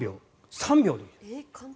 ３秒でいい。